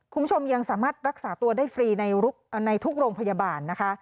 คุณผู้ชมยังสามารถรักษาตัวได้ฟรีในทุกโรงพยาบาลนะคะ